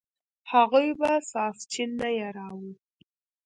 هغوی به ساسچن نه یراو.